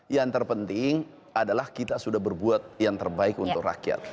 yang terpenting adalah kita sudah berbuat yang terbaik untuk rakyat